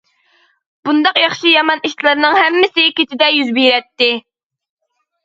بۇنداق ياخشى يامان ئىشلارنىڭ ھەممىسى كېچىدە يۈز بېرەتتى.